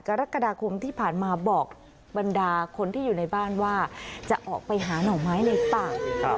กรกฎาคมที่ผ่านมาบอกบรรดาคนที่อยู่ในบ้านว่าจะออกไปหาหน่อไม้ในป่า